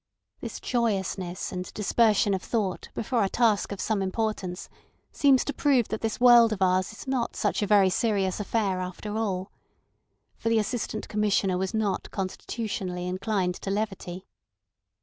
This joyousness and dispersion of thought before a task of some importance seems to prove that this world of ours is not such a very serious affair after all. For the Assistant Commissioner was not constitutionally inclined to levity.